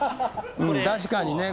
確かにね